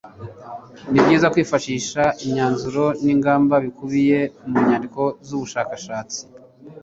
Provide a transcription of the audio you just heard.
ni byiza kwifashisha imyanzuro n'ingamba bikubiye mu nyandiko z' ubushakashatsi